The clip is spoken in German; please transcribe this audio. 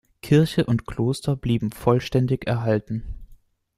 Kirche und Kloster blieben vollständig erhalten.